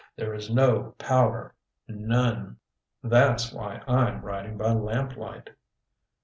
There is no power. None. That's why I'm writing by lamplight.